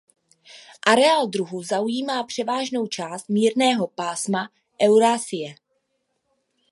Areál druhu zaujímá převážnou část mírného pásma Eurasie.